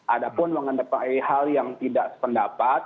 ada pun mengenai hal yang tidak sependapat